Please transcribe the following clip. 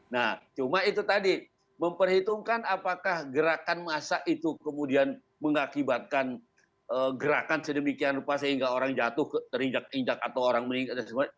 nah cuma itu tadi memperhitungkan apakah gerakan massa itu kemudian mengakibatkan gerakan sedemikian rupa sehingga orang jatuh terinjak injak atau orang meninggal dan sebagainya